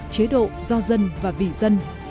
chế độ do dân và vì dân